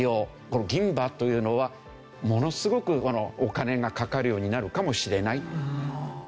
この銀歯というのはものすごくお金がかかるようになるかもしれない。